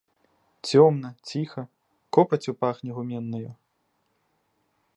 Цёмна, ціха, копаццю пахне гуменнаю.